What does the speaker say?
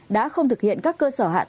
đã không thực hiện các cơ sở hạn